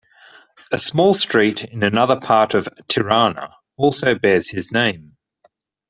A small street in another part of Tirana also bears his name.